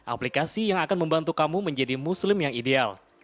aplikasi yang akan membantu kamu menjadi muslim yang ideal